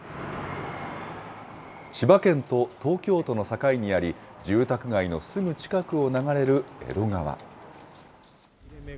千葉県と東京都の境にあり、住宅街のすぐ近くを流れる江戸川。